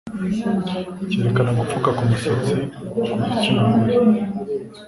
cyerekana gupfuka k'umusatsi ku gitsina gore